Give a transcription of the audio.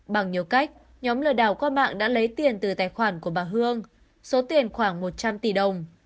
bằng nhiều cách nhóm lừa đảo qua mạng đã lấy tiền từ tài khoản của bà hương số tiền khoảng một trăm linh tỷ đồng